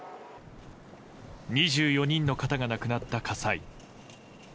２４人の方が亡くなった火災。